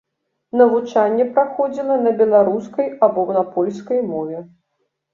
Навучанне праходзіла на беларускай або на польскай мове.